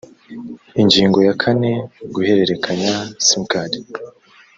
ingingo ya kane guhererekanya simukadi